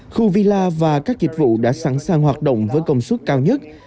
khu villa và các dịch vụ đã sẵn sàng hoạt động với công suất cao nhất